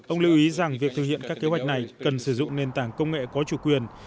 ông lưu ý rằng việc thực hiện các kế hoạch này cần sử dụng nền tảng công nghệ có chủ quyền